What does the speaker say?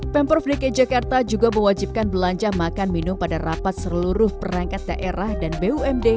pemprov dki jakarta juga mewajibkan belanja makan minum pada rapat seluruh perangkat daerah dan bumd